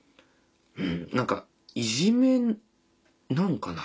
何かいじめなんかな？